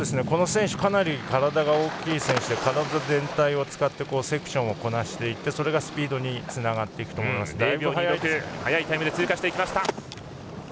この選手かなり体が大きい選手で体全体を使ってセクションをこなしていってそれがスピードにつながっていくと思います。